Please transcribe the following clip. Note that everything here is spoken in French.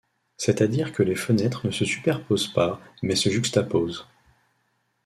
C’est à dire que les fenêtres ne se superposent pas mais se juxtaposent.